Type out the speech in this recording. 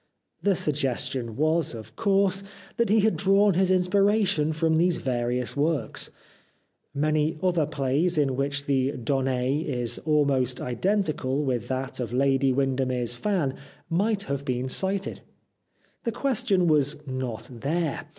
The suggestion was, of course, that he had drawn his inspiration from these various works. Many other plays in which the donnde is almost identical with that of " Lady Windermere's Fan " might have been cited. The question was not there.